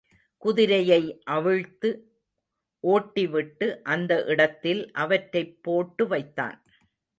குதிரையை அவிழ்த்து ஓட்டிவிட்டு அந்த இடத்தில் அவற்றைப்போட்டு வைத்தான்.